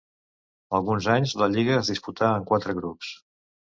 Alguns anys la lliga es disputà en quatre grups.